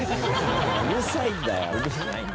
うるさいんだよ。